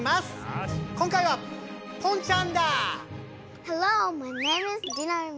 今回はポンちゃんだ！